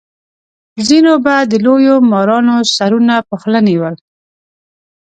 ځینو به د لویو مارانو سرونه په خوله نیول.